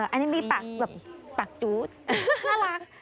อันนี้มีปากจู๊ดน่ารัก